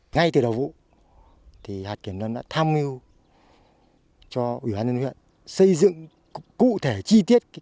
ngay từ đầu vụ hạt kiểm lâm đã tham mưu cho huyện văn chấn xây dựng cụ thể chi tiết